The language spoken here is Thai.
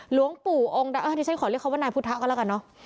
หลวงปู่องค์ที่ฉันขอเรียกเขาว่านายพุทธะก็แล้วกันเนอะ